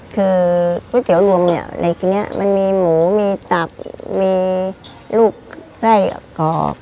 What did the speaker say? คือก๋วยเตี๋ยวรวมเนี่ยอะไรทีนี้มันมีหมูมีตับมีลูกไส้กรอก